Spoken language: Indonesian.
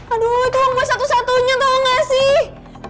aduh itu uang gue satu satunya tolong gak sih